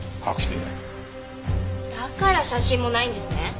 だから写真もないんですね。